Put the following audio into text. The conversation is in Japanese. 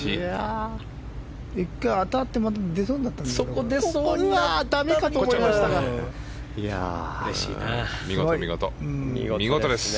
１回、当たって出そうになったけどね。